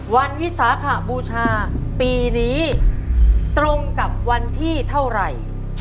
วิสาขบูชาปีนี้ตรงกับวันที่เท่าไหร่